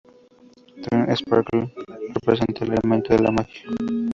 Twilight Sparkle representa el elemento de la magia.